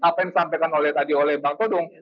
apa yang disampaikan tadi oleh mbak todong